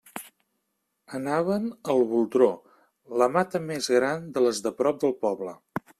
Anaven al Boldró, la mata més gran de les de prop del poble.